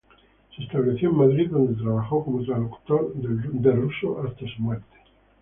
Se estableció en Madrid, donde trabajó como traductor del ruso hasta su muerte.